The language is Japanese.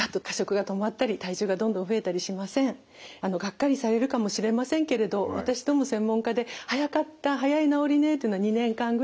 がっかりされるかもしれませんけれど私ども専門家で早かった早い治りねっていうのは２年間ぐらいかかっています。